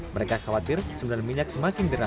mereka khawatir sembilan minyak semakin deras